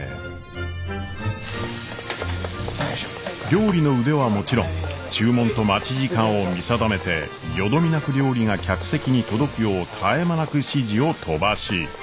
料理の腕はもちろん注文と待ち時間を見定めてよどみなく料理が客席に届くよう絶え間なく指示を飛ばし。